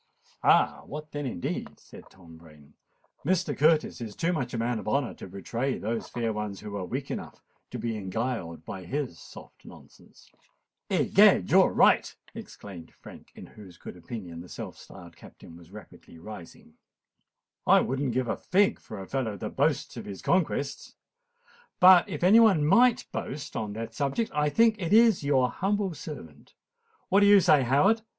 "Ah! what then, indeed?" said Tom Rain. "Mr. Curtis is too much a man of honour to betray those fair ones who were weak enough to be beguiled by his soft nonsense." "Egad! you're right," exclaimed Frank, in whose good opinion the self styled Captain was rapidly rising. "I would not give a fig for a fellow that boasts of his conquests. But if any one might boast on that subject, I think it is your humble servant. What do you say, Howard?